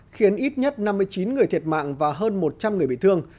khiến ít nhất năm mươi chín người thiệt mạng và hơn một trăm linh người bị thương